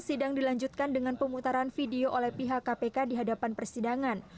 sidang dilanjutkan dengan pemutaran video oleh pihak kpk di hadapan persidangan